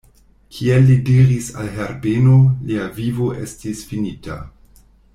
Kiel li diris al Herbeno, lia vivo estis finita.